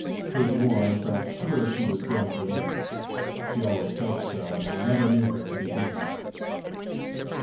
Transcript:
Kate Warne felt sure she was going to win. She always felt so, and I never knew her to be beaten.